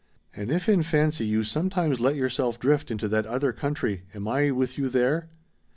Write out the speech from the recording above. And if in fancy you sometimes let yourself drift into that other country, am I with you there?